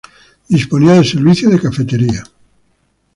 Disponía de servicio de cafetería.